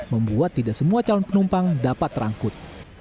membuat tidak semua calon penumpang dapat terangkut